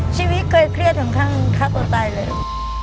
ชีวิตเคยเครียดขนาดขนาดตายเลย